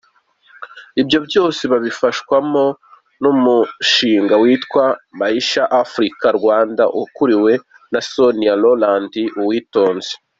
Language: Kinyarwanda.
Ibyo byose babifashwamo n’umushinga witwa Maisha Afrika-Rwanda, ukuriwe na Sonia Rolland Uwitonze.